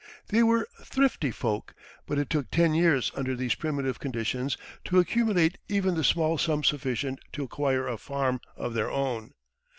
They were thrifty folk, but it took ten years under these primitive conditions to accumulate even the small sum sufficient to acquire a farm of their own.